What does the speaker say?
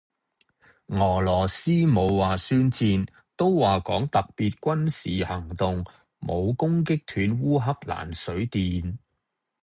俄羅斯冇話宣戰,都係講特別軍事行動，冇攻擊斷烏克蘭水電。